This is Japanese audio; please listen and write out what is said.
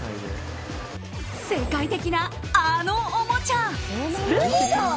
世界的な、あのおもちゃ。